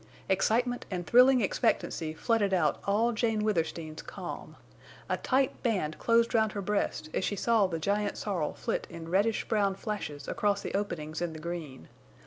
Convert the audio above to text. Excitement and thrilling expectancy flooded out all Jane Withersteen's calm. A tight band closed round her breast as she saw the giant sorrel flit in reddish brown flashes across the openings in the green.